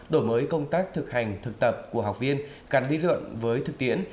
đổi mới công tác thực hành thực tập của học viên cắn lý lượng với thực tiễn